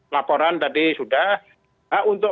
laporan tadi sudah hak untuk